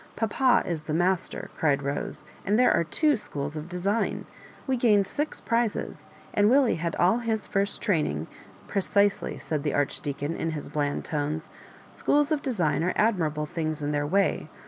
" Papa is the master," cried Bose, and there are two schools of design. We gained six prizes, and Willie had all his first training '*^ Precisdy," said the Archdeacon, in his bland tones. '* Schools of design are admirable things in their way.